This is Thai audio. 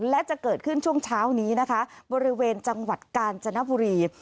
และจะเกิดขึ้นช่วงเช้านี้นะคะบริเวณจังหวัดกาญจนบุรี